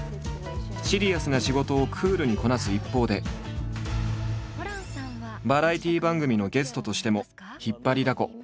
シリアスな仕事をクールにこなす一方でバラエティー番組のゲストとしても引っ張りだこ。